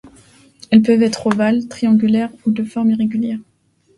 Elles peuvent être ovales, triangulaires ou de formes irrégulières.